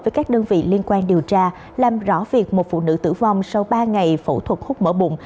với các đơn vị liên quan điều tra làm rõ việc một phụ nữ tử vong sau ba ngày phẫu thuật khúc mở bụng